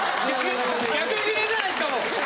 逆ギレじゃないですかもう。